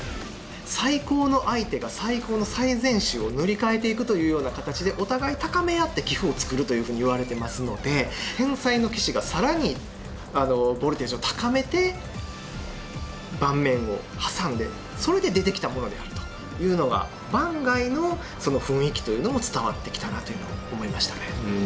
最高の相手が最高の最善手を塗り替えていくというような形でお互い高め合って棋譜を作るというふうにいわれてますので天才の棋士が更にボルテージを高めて盤面を挟んでそれで出てきたものであるというのが盤外のその雰囲気というのも伝わってきたなというのを思いましたね。